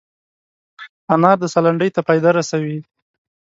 انار د ساه لنډۍ ته فایده رسوي.